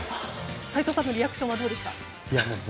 斎藤さんのリアクションはどうでした？